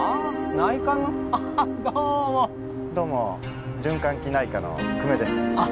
内科のどうも循環器内科の久米です